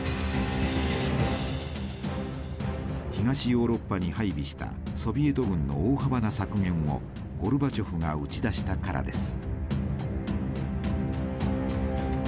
東ヨーロッパに配備したソビエト軍の大幅な削減をゴルバチョフが打ち出したからです。